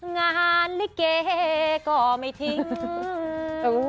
งานละครก็ไม่ทิ้ง